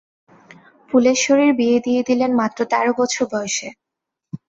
ফুলেশ্বরীর বিয়ে দিয়ে দিলেন মাত্র তের বছর বয়সে।